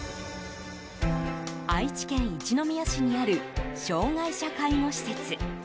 愛知県一宮市にある障害者介護施設。